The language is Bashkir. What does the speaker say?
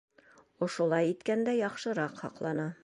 Ошолай иткәндә яҡшыраҡ һаҡлана.